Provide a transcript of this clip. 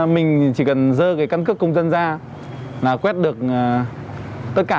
mình chỉ cần dơ cái căn cước công dân ra là quét được tất cả